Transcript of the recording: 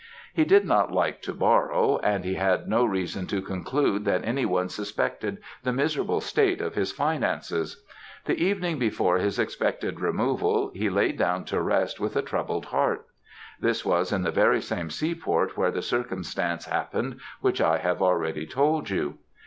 He did not like to borrow, and he had no reason to conclude that any one suspected the miserable state of his finances. The evening before his expected removal, he laid down to rest with a troubled heart. This was in the very same seaport where the circumstance happened which I have already told you.